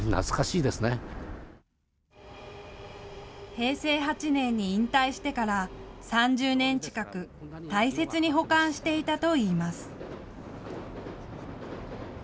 平成８年に引退してから３０年近く大切に保管していたといいます。